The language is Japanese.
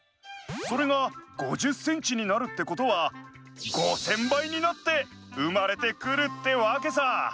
それが５０センチになるってことは５，０００ばいになってうまれてくるってわけさ。